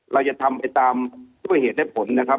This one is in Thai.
เราจะทำไปตามทุกเหตุในผลนะครับ